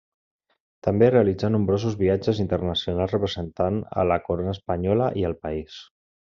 També realitzà nombrosos viatges internacionals representant a la Corona espanyola i al país.